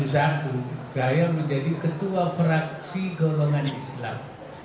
saya menjadi ketua fraksi golongan islam